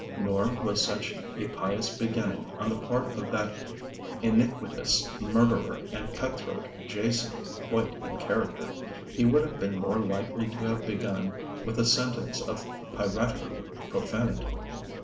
Nor was such a pious beginning, on the part of that iniquitous murderer and cut throat, Jason, quite in character. He would have been more likely to have begun with a sentence of piratical profanity.